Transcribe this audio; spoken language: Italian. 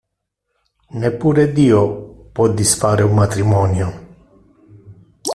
Neppure Dio può disfare un matrimonio!